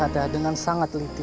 aku mau ke kanjeng itu